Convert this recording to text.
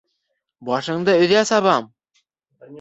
Башыңды өҙә сабам!